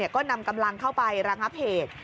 ก็นำกำลังเข้าไประงับเหตุ